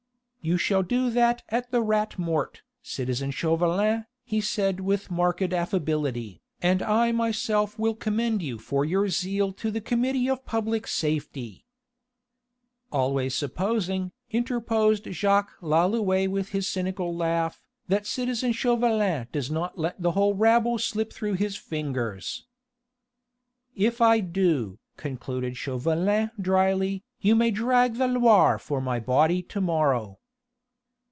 "You shall do that at the Rat Mort, citizen Chauvelin," he said with marked affability, "and I myself will commend you for your zeal to the Committee of Public Safety." "Always supposing," interposed Jacques Lalouët with his cynical laugh, "that citizen Chauvelin does not let the whole rabble slip through his fingers." "If I do," concluded Chauvelin drily, "you may drag the Loire for my body to morrow."